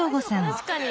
確かに。